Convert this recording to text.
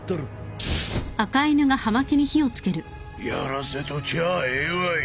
やらせときゃあええわい。